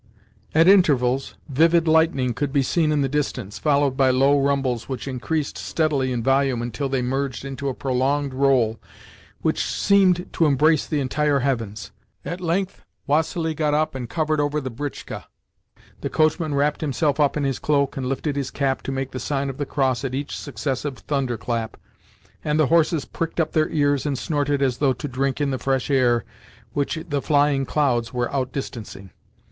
At intervals, vivid lightning could be seen in the distance, followed by low rumbles which increased steadily in volume until they merged into a prolonged roll which seemed to embrace the entire heavens. At length, Vassili got up and covered over the britchka, the coachman wrapped himself up in his cloak and lifted his cap to make the sign of the cross at each successive thunderclap, and the horses pricked up their ears and snorted as though to drink in the fresh air which the flying clouds were outdistancing.